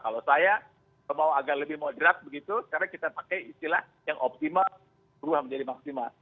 kalau saya mau agak lebih moderat begitu sekarang kita pakai istilah yang optimal berubah menjadi maksimal